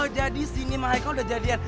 jadi sini mah haikal udah jadian